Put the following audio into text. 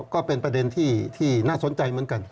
ก็เป็นประเด็นที่น่าสนใจเหมือนกัน